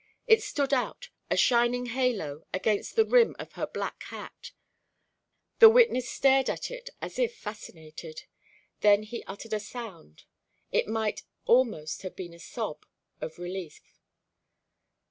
It stood out, a shining halo, against the rim of her black hat. The witness stared at it as if fascinated. Then he uttered a sound it might almost have been a sob of relief.